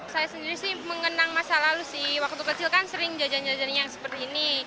saya sendiri sih mengenang masa lalu sih waktu kecil kan sering jajan jajan yang seperti ini